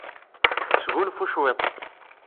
Sgunfan cwiṭ.